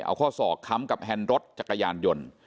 เอาข้อศอกค้ำกับแฮนด์รถจักรยานยนต์